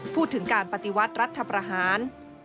พูดถึงการปฏิวัติรัฐประหาร